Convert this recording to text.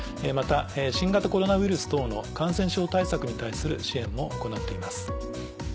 また新型コロナウイルス等の感染症対策に対する支援も行っています。